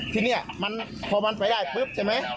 ทีนี้มันพอมันไปได้ปุ๊บใช่ไหม